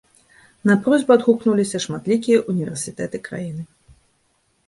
На просьбу адгукнуліся шматлікія ўніверсітэты краіны.